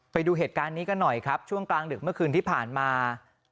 ไปดูเหตุการณ์นี้กันหน่อยครับช่วงกลางดึกเมื่อคืนที่ผ่านมา